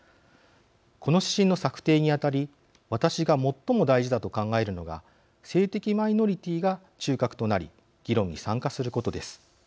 この指針の策定にあたり私が最も大事だと考えるのが性的マイノリティーが中核となり議論に参加することです。